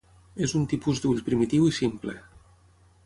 És un tipus d'ull primitiu i simple.